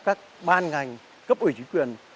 các ban ngành cấp ủy chính quyền